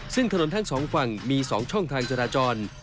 ซึ่งถนนทั้งสองฝั่งมี๒ช่องทางจราจร